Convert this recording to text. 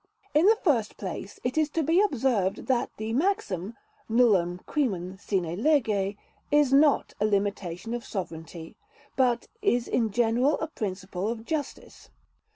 In the first place, it is to be observed that the maxim nullum crimen sine lege is not a limitation of sovereignty, but is in general a principle of justice.